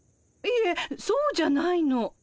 いえそうじゃないの。